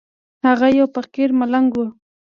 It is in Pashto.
هغه يو فقير ملنگ و.